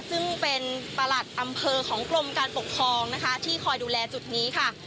ซึ่งเป็นประหลัดอำเภอของกรมการปกครองนะคะที่คอยดูแลจุดนี้ค่ะ